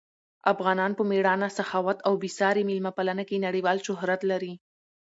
افغانان په مېړانه، سخاوت او بې ساري مېلمه پالنه کې نړیوال شهرت لري.